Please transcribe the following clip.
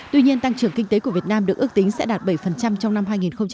tuy nhiên tăng trưởng kinh tế của việt nam được ước tính sẽ đạt bảy trong năm hai nghìn hai mươi